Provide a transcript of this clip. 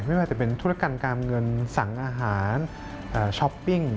ไม่ว่าจะเป็นธุรกรรมการเงินสั่งอาหารช้อปปิ้ง